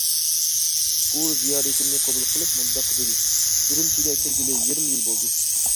ئۇ زىيارىتىمنى قوبۇل قىلىپ مۇنداق دېدى: ئۈرۈمچىگە كەلگىلى يېرىم يىل بولدى.